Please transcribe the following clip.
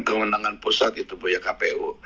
ke undangan pusat itu buya kpum